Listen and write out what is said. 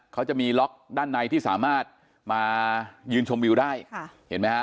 เขาจะมีล็อกด้านในที่สามารถมายืนชมวิวได้ค่ะเห็นไหมฮะ